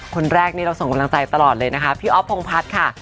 คนแรกนี่เราส่งกำลังใจตลอดเลยนะคะพี่อ๊อฟพงพัฒน์ค่ะ